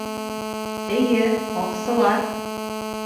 Эйе, Һаҡсылар!